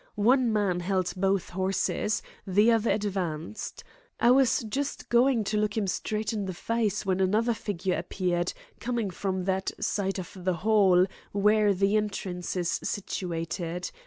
One man held both horses; the other advanced. I was just going to look him straight in the face when another figure appeared, coming from that side of the hall where the entrance is situated.